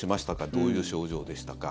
どういう症状でしたか？